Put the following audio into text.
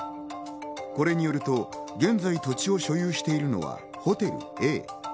これによると現在、土地を所有しているのはホテルＡ。